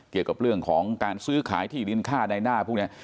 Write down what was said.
เกี่ยวกับเรื่องของการซื้อขายที่ดินค่าใดหน้าพวกนี้